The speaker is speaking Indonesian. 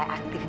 ya aku juga